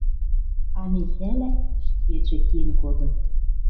А Михӓлӓ ӹшкетшӹ киэн кодын